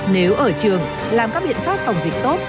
nếu ở trường làm các biện pháp phòng dịch tốt